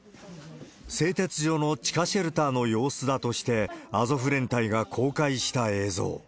製鉄所の地下シェルターの様子だとして、アゾフ連隊が公開した映像。